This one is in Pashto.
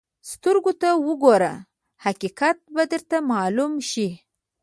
سترګو ته وګوره، حقیقت به درته معلوم شي.